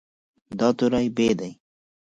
دا توری "ب" دی.